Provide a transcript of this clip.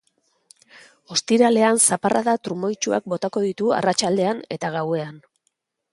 Ostiralean zaparrada trumoitsuak botako ditu arratsaldean eta gauean.